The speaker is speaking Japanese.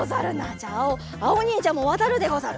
じゃああおにんじゃもわたるでござる。